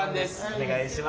お願いします。